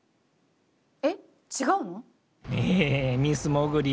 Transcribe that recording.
えっ違うの？